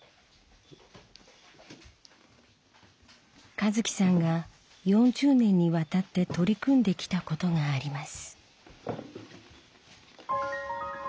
和樹さんが４０年にわたって取り組んできたことがあります。